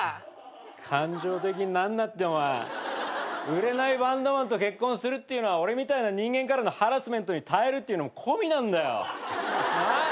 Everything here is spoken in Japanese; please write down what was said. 売れないバンドマンと結婚するっていうのは俺みたいな人間からのハラスメントに耐えるっていうのも込みなんだよ。なあ？